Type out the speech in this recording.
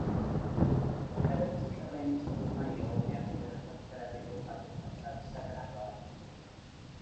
ቀደም ሲል ጠቅላይ ሚኒስትሩ እና የኦሮሚያ ክልል ርዕሰ መስተዳድር የሆኑት አቶ ሽመልስ አብዲሳ ተናግረዋል